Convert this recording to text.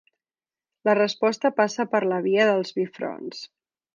La resposta passa per la via dels bifronts.